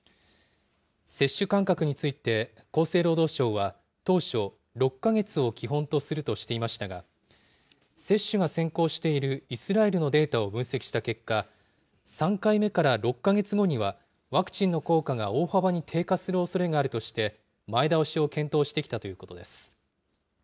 接種間隔について、厚生労働省は当初、６か月を基本とするとしていましたが、接種が先行しているイスラエルのデータを分析した結果、３回目から６か月後には、ワクチンの効果が大幅に低下するおそれがあるとして、前倒しを検討してきたということです。